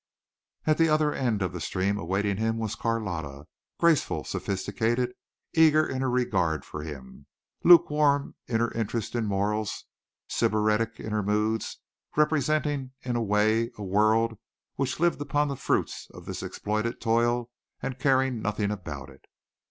And at the other end of the stream awaiting him was Carlotta, graceful, sophisticated, eager in her regard for him, lukewarm in her interest in morals, sybaritic in her moods, representing in a way a world which lived upon the fruits of this exploited toil and caring nothing about it.